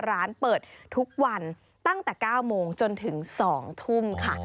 ร้านเปิดทุกวันตั้งแต่๙โมงจนถึง๒ทุ่มค่ะ